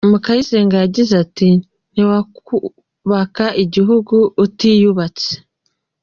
Mukayisenga yagize ati Ntiwakubaka igihugu utiyubatse.